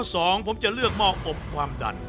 สองผมจะเลือกหม้ออบความดัน